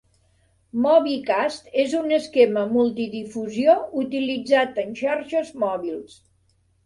MobiCast és un esquema multidifusió utilitzat en xarxes mòbils.